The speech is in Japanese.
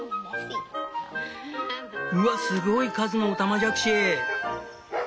うわすごい数のオタマジャクシ！